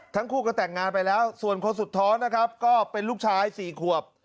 ทั้งคู่ก็แต่งงานไปแล้วส่วนคนสุดท้อนนะครับก็เป็นลูกชาย๔ขวบ